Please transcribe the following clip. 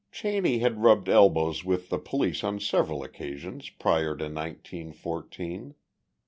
Cheney had rubbed elbows with the police on several occasions prior to nineteen fourteen.